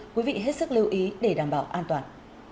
quý vị hết sức lưu ý để đảm bảo an toàn